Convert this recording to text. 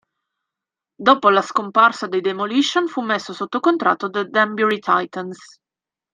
Dopo la scomparsa dei Demolition, fu messo sotto contratto dai Danbury Titans.